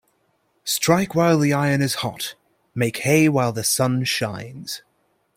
Strike while the iron is hot Make hay while the sun shines.